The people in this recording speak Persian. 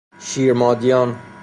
شیر مادیان